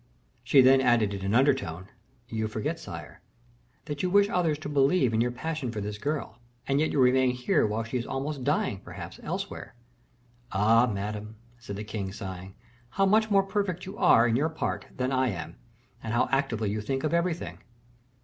She then added in an undertone, "You forget, sire, that you wish others to believe in your passion for this girl, and yet you remain here while she is almost dying, perhaps, elsewhere." "Ah! Madame," said the king, sighing, "how much more perfect you are in your part than I am, and how actively you think of everything."